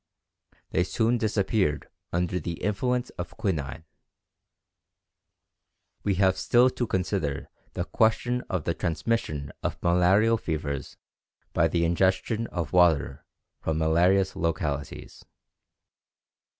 They soon disappeared under the influence of quinine." We have still to consider the question of the transmission of malarial fevers by the ingestion of water from malarious localities.